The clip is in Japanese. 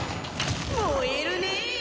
燃えるねえ！